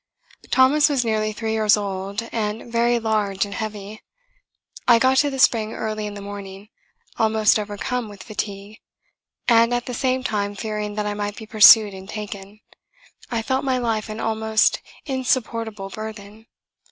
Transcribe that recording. Thomas was nearly three years old, and very large and heavy. I got to the spring early in the morning, almost overcome with fatigue, and at the same time fearing that I might be pursued and taken, I felt my life an almost insupportable burthen.